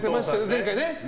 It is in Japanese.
前回ね。